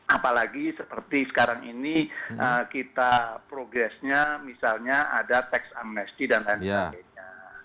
apalagi seperti sekarang ini kita progresnya misalnya ada tax amnesty dan lain sebagainya